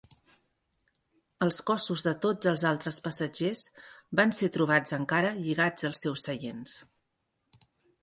Els cossos de tots els altres passatgers van ser trobats encara lligats als seus seients.